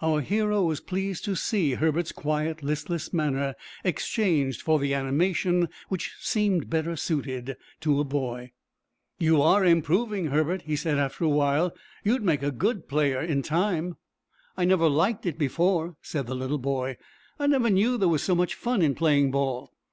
Our hero was pleased to see Herbert's quiet, listless manner exchanged for the animation which seemed better suited to a boy. "You are improving, Herbert," he said, after a while. "You would make a good player in time." "I never liked it before," said the little boy. "I never knew there was so much fun in playing ball."